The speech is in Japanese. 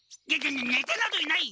ねてなどいない！